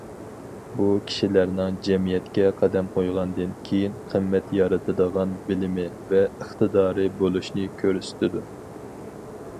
بۇ كىشىلەرنىڭ جەمئىيەتكە قەدەم قويغاندىن كېيىن، قىممەت يارىتىدىغان بىلىمى ۋە ئىقتىدارى بولۇشنى كۆرسىتىدۇ.